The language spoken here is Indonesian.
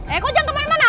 eh kau jalan kemana mana